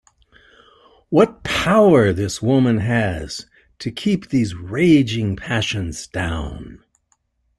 What power this woman has to keep these raging passions down!